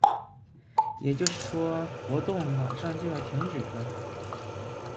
也就是说，活动马上就要停止了。